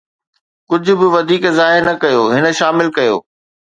ڪجھ به وڌيڪ ظاهر نه ڪيو، هن شامل ڪيو